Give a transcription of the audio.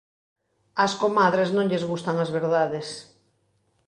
Ás comadres non lles gustan as verdades